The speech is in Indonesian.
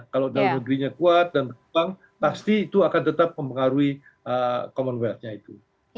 kalau dalam negerinya kuat dan berkembang pasti itu akan tetap mempengaruhi commonwealth nya itu